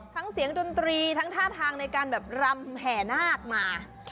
เสียงดนตรีทั้งท่าทางในการแบบรำแห่นาคมา